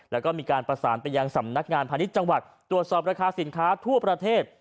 แล้วก็มีการประสานไปยังสำนักงานพาณิชย์จังหวัดตรวจสอบราคาสินค้าทั่วประเทศ